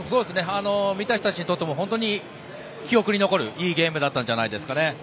見た人たちにとっても本当に記憶に残るいいゲームだったんじゃないですかね。